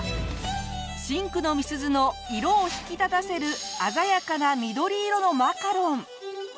真紅の美鈴の色を引き立たせる鮮やかな緑色のマカロン！